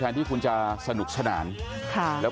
นี่คือสรุปสุดท้ายแล้ว